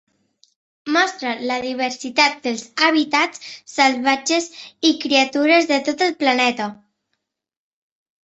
Mostra la diversitat dels hàbitats salvatges i criatures de tot el planeta.